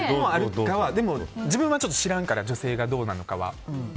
自分は知らんから女性がどうなのかは。